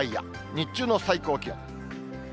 日中の最高気温。